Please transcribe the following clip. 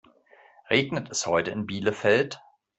Regnet es heute in Bielefeld?